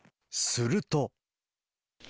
すると。